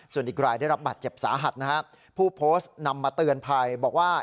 ส่วนอีกรายได้รับบาดเจ็บสาหัสนะครับผู้โพสต์นำมาเตือนภัยบอกว่า